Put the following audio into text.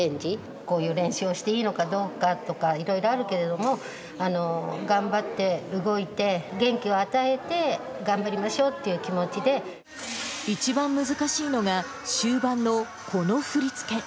こういう練習をしていいのかどうかとか、いろいろあるけれども、頑張って動いて、元気を与えて、一番難しいのが、終盤のこの振り付け。